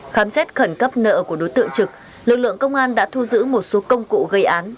khám xét khẩn cấp nợ của đối tượng trực lực lượng công an đã thu giữ một số công cụ gây án